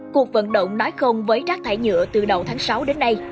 cuộc vận động nói không với rác thải nhựa từ đầu tháng sáu đến nay